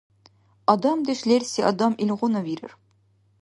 Адамдеш лерси адам илгъуна вирар.